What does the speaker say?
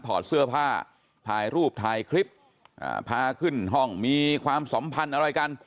ถอดเสื้อผ้าถ่ายรูปถ่ายคลิปพาขึ้นห้องมีความสัมพันธ์อะไรกัน